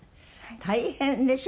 大変でしょ？